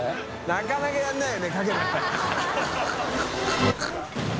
なかなかやらないよねかける。